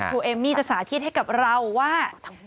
เอมมี่จะสาธิตให้กับเราว่า